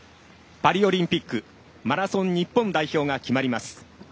パリオリンピックマラソン日本代表が決まります。